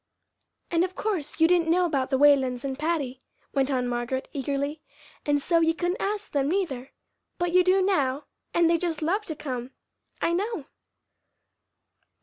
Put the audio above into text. "And of course you didn't know about the Whalens and Patty," went on Margaret, eagerly, "and so you couldn't ask them, neither. But you do now, and they'd just love to come, I know!"